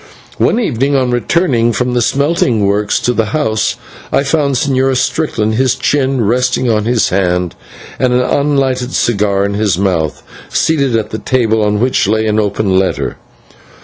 One evening, on returning from the smelting works to the house, I found the Señor Strickland, his chin resting on his hand and an unlighted cigar in his mouth, seated at a table, on which lay an open letter.